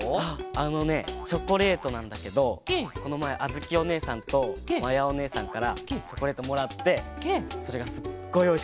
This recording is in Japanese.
あのねチョコレートなんだけどこのまえあづきおねえさんとまやおねえさんからチョコレートもらってそれがすっごいおいしかった。